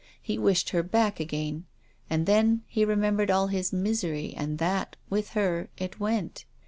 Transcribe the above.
He wished her back again. And then — he remembered all his misery, and that, with her, it went.